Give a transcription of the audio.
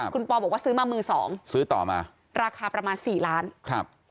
คุณปวบอกว่าซอมมามือ๒ราคาประมาณ๔ล้านบาท